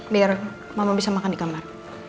biar mama bisa makan di kamar